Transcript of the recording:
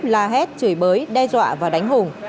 la hét chửi bới đe dọa và đánh hùng